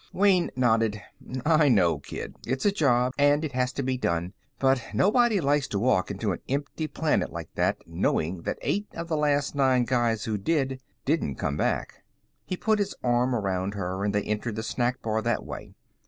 Wayne nodded. "I know, kid. It's a job, and it has to be done. But nobody likes to walk into an empty planet like that knowing that eight of the last nine guys who did didn't come back." He put his arm around her and they entered the snack bar that way.